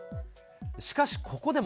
しかしここでも。